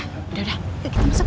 udah udah yuk kita masuk